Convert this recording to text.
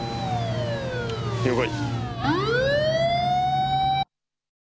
了解。